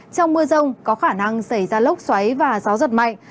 trong mưa rông có khả năng xảy ra lốc xoáy và gió giật mạnh